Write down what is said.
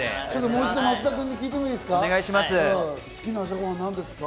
もう一度、松田君に聞いてもいいですか？